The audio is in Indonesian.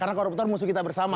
karena koruptor musuh kita bersama